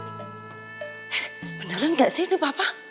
eh beneran gak sih ini papa